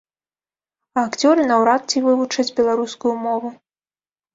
А акцёры наўрад ці вывучаць беларускую мову.